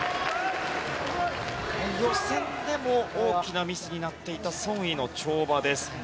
予選でも大きなミスになっていたソン・イの跳馬です。